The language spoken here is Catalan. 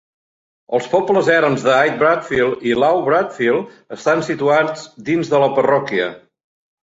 Els pobles erms de High Bradfield i Low Bradfield estan situats dins de la parròquia.